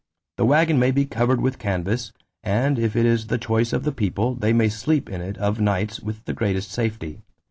The waggon may be covered with canvass, and if it is the choice of the people, they may sleep in it of nights with the greatest safety.